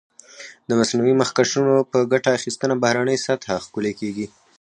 د مصنوعي مخکشونو په ګټه اخیستنه بهرنۍ سطحه ښکلې کېږي.